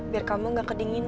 biar kamu gak kedinginan